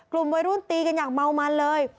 กลุ่มวัยรุ่นตีกันอย่างเมามันเลย